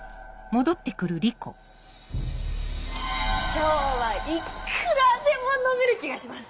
今日はいっくらでも飲める気がします。